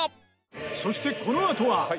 そしてこのあとは